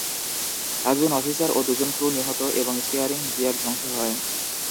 একজন অফিসার ও দুজন ক্রু নিহত এবং স্টিয়ারিং গিয়ার ধ্বংস হয়।